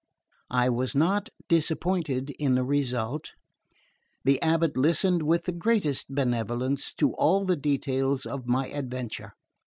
I was not disappointed in the result. The Abbot listened with the greatest benevolence to all the details of my adventure.